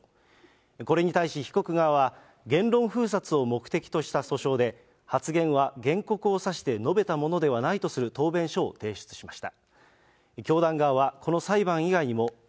これに対し被告側は、言論封殺を目的とした訴訟で、発言は原告を指して述べたものではないとする答弁書を提出しました。